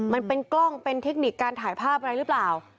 มันเป็นกล้องเป็นเทคนิคการถ่ายภาพอะไรหรือเปล่า